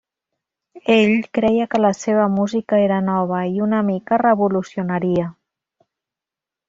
Ell creia que la seva música era nova i una mica revolucionaria.